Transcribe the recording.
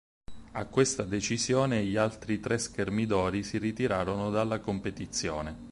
A questa decisione gli altri tre schermidori si ritirarono dalla competizione.